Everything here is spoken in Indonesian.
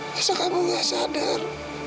masa kamu tidak sadar